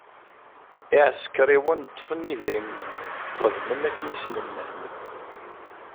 Iɛsekṛiwen ṭṭfen idrimen-nni, xedmen akken i sen-nnan.